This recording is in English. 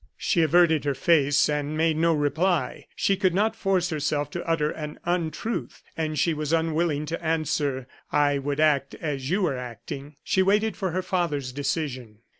She averted her face and made no reply. She could not force herself to utter an untruth; and she was unwilling to answer: "I would act as you are acting." She waited for her father's decision.